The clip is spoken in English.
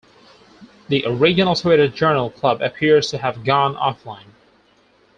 The original Twitter Journal Club appears to have gone offline.